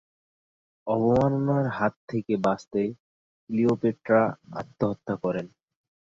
অবমাননার হাত থেকে বাঁচতে ক্লিওপেট্রা আত্মহত্যা করেন।